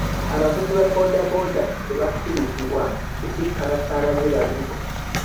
Abavuzi ba boodabooda tebakkirizibwa kutikka basaabaze babiri.